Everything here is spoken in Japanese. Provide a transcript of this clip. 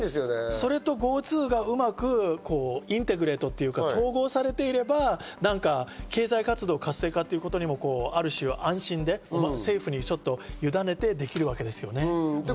それとＧｏＴｏがうまくインテグレート、統合されていれば、経済活動活性化にもある種、安心で政府に委ねてできるわけです。